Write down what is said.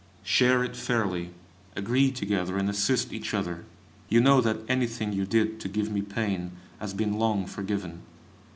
Share it fairly, agree together and assist each other. You know that anything you did to give me pain has been long forgiven.